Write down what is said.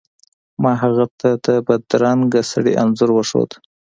ما هغه ته د بدرنګه سړي انځور وښود.